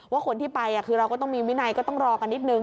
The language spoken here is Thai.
ว่าคนที่ไปคือเราก็ต้องมีวินัยก็ต้องรอกันนิดนึง